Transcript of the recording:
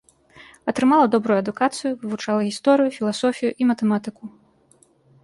Атрымала добрую адукацыю, вывучала гісторыю, філасофію і матэматыку.